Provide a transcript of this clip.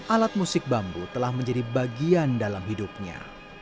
alat musik bambu telah menjadi bagian dalam hidupnya